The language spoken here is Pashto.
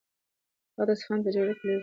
هغه د اصفهان په جګړه کې لوی رول درلود.